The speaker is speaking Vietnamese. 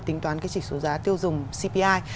tính toán cái chỉ số giá tiêu dùng cpi